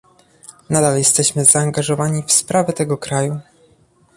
Nadal jesteśmy zaangażowani w sprawy tego kraju